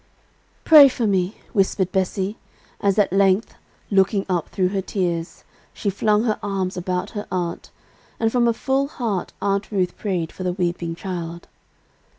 "Pray for me!" whispered Bessie, as, at length, looking up through her tears, she flung her arms about her aunt; and from a full heart Aunt Ruth prayed for the weeping child.